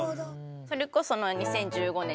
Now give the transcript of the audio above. それこそ２０１５年